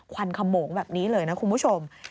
วันขโมงแบบนี้เลยนะคุณผู้ชม